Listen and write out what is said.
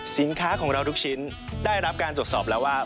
สินค้าของเราทุกชิ้นได้รับการตรวจสอบแล้วว่า